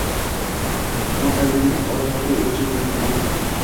Umr tangrining odamzotga o’lchab bergan omonatidir.